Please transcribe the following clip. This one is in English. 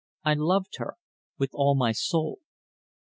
I loved her with all my soul.